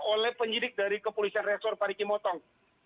oleh penyelidik dari kepolisian resor parigi mutong